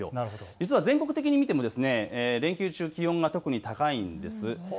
実は全国的に見ても連休中、気温が特に高いんです。